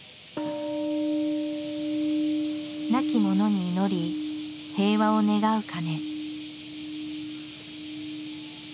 亡き者に祈り平和を願う鐘。